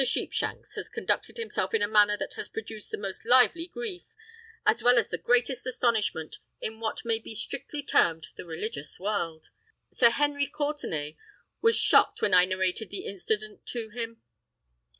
Sheepshanks has conducted himself in a manner that has produced the most lively grief as well as the greatest astonishment in what may be strictly termed the religious world. Sir Henry Courtenay was shocked when I narrated the incident to him."